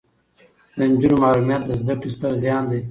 د نجونو محرومیت له زده کړې ستر زیان دی.